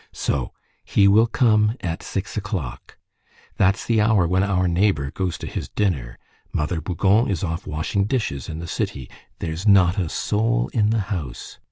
So he will come at six o'clock! That's the hour when our neighbor goes to his dinner. Mother Bougon is off washing dishes in the city. There's not a soul in the house.